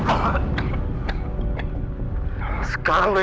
atau lu ketangkebukan sampet lu sama